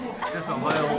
おはよう。